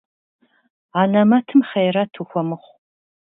Анэмэтым хъейрэт ухуэмыхъу.